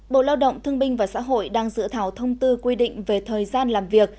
bộ lao động thương binh và xã hội đang dự thảo thông tư quy định về thời gian làm việc